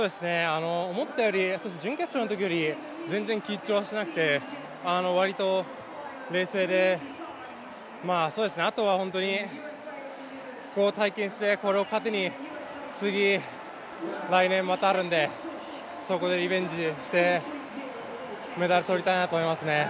思ったより、準決勝のときより全然緊張はしていなくて割と冷静で、あとはこれを体験してこれを糧に次、来年またあるんで、そこでリベンジしてメダル取りたいなと思いますね。